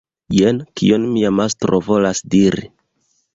Jen kion mia mastro volas diri.